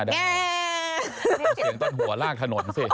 นี่เสียงตอนหัวลากถนนสิ